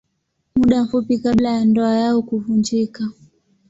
Muda mfupi kabla ya ndoa yao kuvunjika.